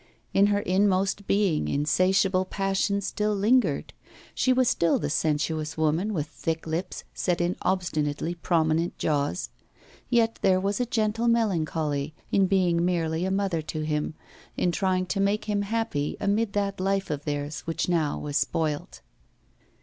In her inmost being insatiable passion still lingered; she was still the sensuous woman with thick lips set in obstinately prominent jaws. Yet there was a gentle melancholy, in being merely a mother to him, in trying to make him happy amid that life of theirs which now was spoilt.